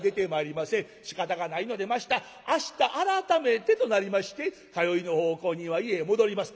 しかたがないので明日明日改めてとなりまして通いの奉公人は家へ戻ります。